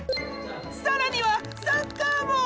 更にはサッカーも！